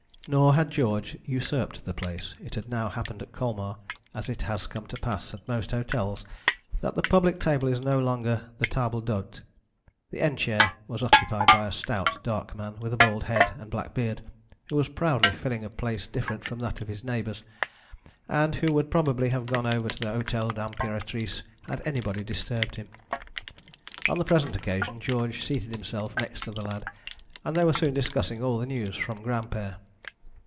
Nor had George usurped the place. It had now happened at Colmar, as it has come to pass at most hotels, that the public table is no longer the table d'hote. The end chair was occupied by a stout, dark man, with a bald head and black beard, who was proudly filling a place different from that of his neighbours, and who would probably have gone over to the Hotel de l'Imperatrice had anybody disturbed him. On the present occasion George seated himself next to the lad, and they were soon discussing all the news from Granpere.